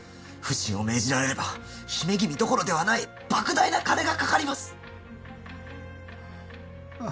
普請を命じられれば姫君どころではない莫大な金がかかります。